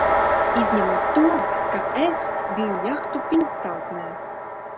Izņemot to, ka es biju jahtu piestātnē!